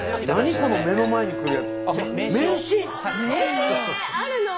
この目の前に来るやつ。